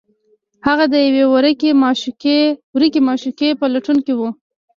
هغه د یوې ورکې معشوقې په لټون کې و